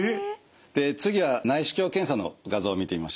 で次は内視鏡検査の画像を見てみましょうか。